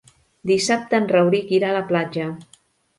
Dissabte en Rauric irà a la platja.